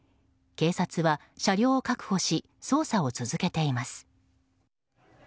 警察は車両を確保し捜査を続けています。